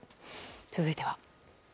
続いては。